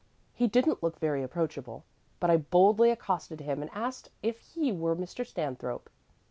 He didn't look very approachable, but I boldly accosted him and asked if he were Mr. Stanthrope.